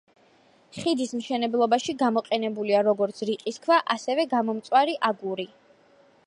ხიდის მშენებლობაში გამოყენებულია, როგორც რიყის ქვა, ასევე გამომწვარი აგური.